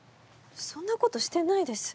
そんなことしてないです。